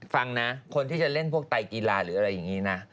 ฟังนะคนที่จะเล่นพวกไตกีฬาหรืออะไรอย่างนี้นะ